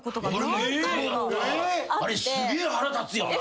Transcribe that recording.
あれすげえ腹立つよな。